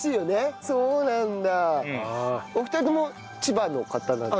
へえそうなんだ。